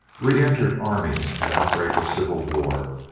Re entered army at outbreak of Civil War.